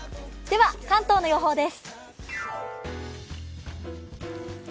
関東の予報です。